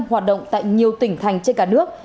hoạt động tại nhiều tỉnh thành trên cả nước